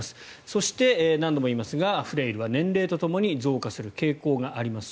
そして、何度も言いますがフレイルは年齢とともに増加する傾向があります。